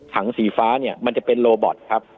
สีฟ้าเนี่ยมันจะเป็นโรบอตครับ